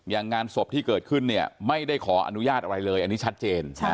งานศพที่เกิดขึ้นเนี่ยไม่ได้ขออนุญาตอะไรเลยอันนี้ชัดเจน